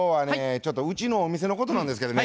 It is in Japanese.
ちょっとうちのお店のことなんですけどね。